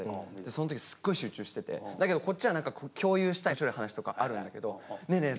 そん時すっごい集中しててだけどこっちは共有したい面白い話とかあるんだけど「ねえねえ